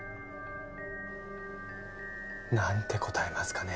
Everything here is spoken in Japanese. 何て答えますかね？